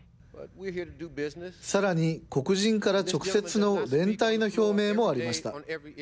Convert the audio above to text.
さらに、黒人から直接の連帯の表明もありました。